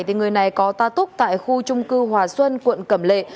người này có ta túc tại khu trung cư hòa xuân quận cẩm lệ